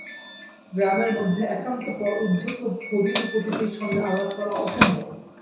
গ্রামের মধ্যে একান্ত পর উদ্ধত ভগিনীপতিটির সঙ্গে আলাপ করা অসম্ভব।